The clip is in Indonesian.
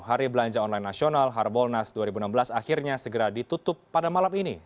hari belanja online nasional harbolnas dua ribu enam belas akhirnya segera ditutup pada malam ini